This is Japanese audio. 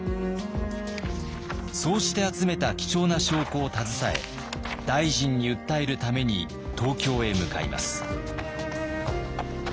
そうして集めた貴重な証拠を携え大臣に訴えるために東京へ向かいます。